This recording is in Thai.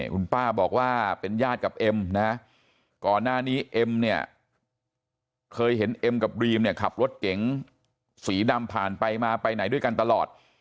คุณป้าบอกว่าเป็นญาติกับเอ็มนะก่อนหน้านี้เอ็มเนี่ยเคยเห็นเอ็มกับดรีมเนี่ยขับรถเก๋งสีดำผ่านไปมาไปไหนด้วยกันตลอด